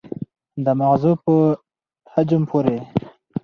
د مغزو په حجم پورې